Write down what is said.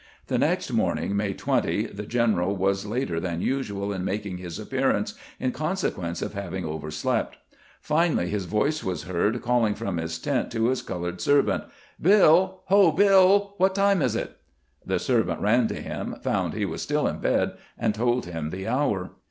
The next morning. May 20, the general was later than usual in making his appearance, in consequence of hav ing overslept. Finally his voice was heard calling from his tent to his colored servant :" BiU ! Ho, BiU ! What time is it ?" The servant ran to him, found he was still in bed, and told him the hour.